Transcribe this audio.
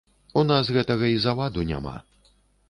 У нас гэтага і заваду няма.